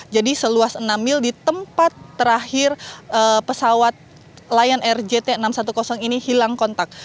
jadi seluas enam mil di tempat terakhir pesawat lion air jt enam ratus sepuluh ini hilang kontak